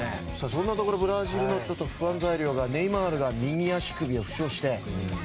そんなブラジルの不安材料がネイマールが右足首を負傷して。